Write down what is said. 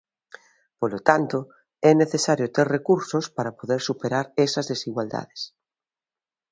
Polo tanto, é necesario ter recursos para poder superar esas desigualdades.